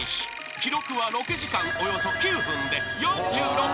［記録はロケ時間およそ９分で４６ボケ］